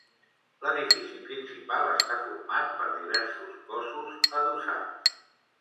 L'edifici principal està format per diversos cossos adossats.